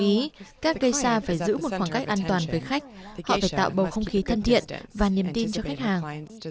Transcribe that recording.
vì vậy các gây sa phải giữ một khoảng cách an toàn với khách họ phải tạo bầu không khí thân thiện và niềm tin cho khách hàng